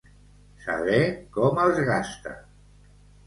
Saber com els gasta.